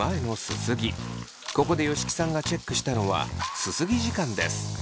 ここで吉木さんがチェックしたのはすすぎ時間です。